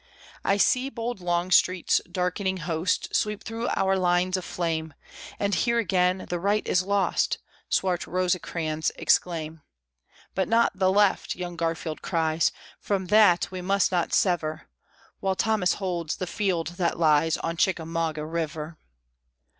I see bold Longstreet's darkening host Sweep through our lines of flame, And hear again, "The right is lost!" Swart Rosecrans exclaim. "But not the left!" young Garfield cries; "From that we must not sever, While Thomas holds the field that lies On Chickamauga River!"